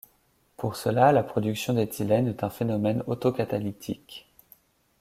Pour cela, la production d'éthylène est un phénomène autocatalytique.